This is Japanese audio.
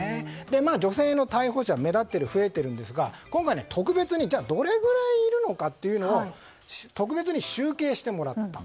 女性の逮捕者が目立っている増えているんですがどれぐらいいるのかというのを特別に集計してもらった。